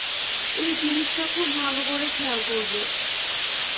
এই জিনিসটা খুব ভালো করে খেয়াল করবে।